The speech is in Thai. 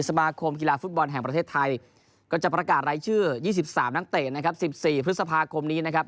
สมาคมกีฬาฟุตบอลแห่งประเทศไทยก็จะประกาศรายชื่อ๒๓นักเตะนะครับ๑๔พฤษภาคมนี้นะครับ